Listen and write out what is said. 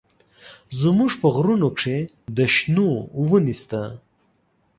زموږ په غرونو کښې د شنو ونې سته.